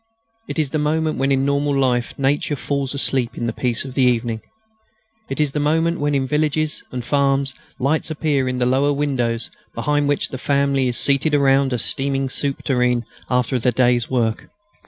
It is the moment when in normal life nature falls asleep in the peace of evening. It is the moment when in villages and farms lights appear in the lower windows, behind which the family is seated around the steaming soup tureen after the day's work.